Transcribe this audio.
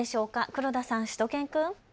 黒田さん、しゅと犬くん。